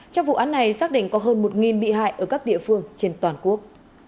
trong vụ án này xác định có hơn một bị hại ở các địa phương trên toàn quốc